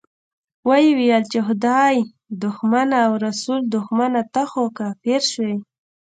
ويې ويل چې خدای دښمنه او رسول دښمنه، ته خو کافر شوې.